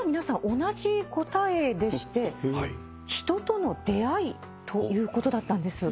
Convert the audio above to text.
同じ答えでして人との出会いということだったんです。